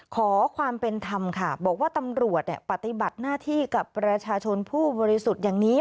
ขอความเป็นธรรมค่ะบอกว่าตำรวจปฏิบัติหน้าที่กับประชาชนผู้บริสุทธิ์อย่างนี้